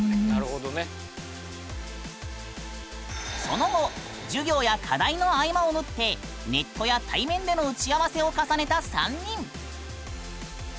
その後授業や課題の合間を縫ってネットや対面での打ち合わせを重ねた３人。